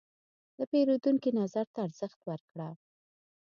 د پیرودونکي نظر ته ارزښت ورکړه.